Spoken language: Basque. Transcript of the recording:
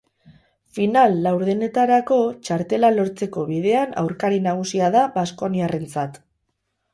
Final-laurdenetarako txartela lortzeko bidean aurkari nagusia da baskoniarrentzat.